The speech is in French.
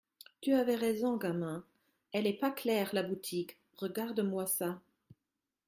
Tu avais raison, gamin, elle est pas claire, la boutique. Regarde-moi ça.